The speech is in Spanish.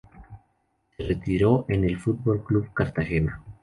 Se retiró en el Fútbol Club Cartagena.